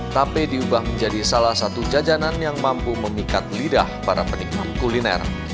tape diubah menjadi salah satu jajanan yang mampu memikat lidah para penikmat kuliner